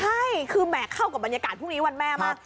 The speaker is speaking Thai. ใช่คือแหมเข้ากับบรรยากาศพรุ่งนี้วันแม่มาก